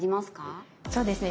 そうですね